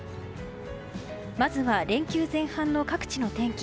まずは連休前半の各地の天気。